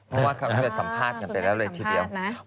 เพราะว่าเขาก็สัมภาษณ์กันไปแล้วเลยทีเดียวคุณแม่สัมภาษณ์นะ